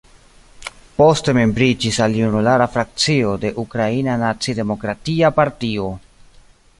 Poste membriĝis al Junulara Frakcio de Ukraina Naci-Demokratia Partio.